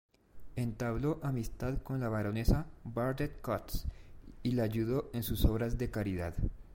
Entabló amistad con la baronesa Burdett-Coutts y la ayudó en sus obras de caridad.